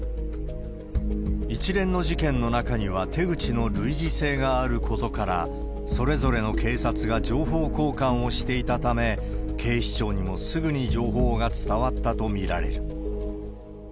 一連の事件の中には、手口の類似性があることから、それぞれの警察が情報交換をしていたため、警視庁にもすぐに情報が伝わったと見られる。